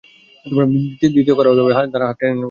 দ্বিতীয় কড়াও এভাবে দাঁত দ্বারা টেনে উঠান।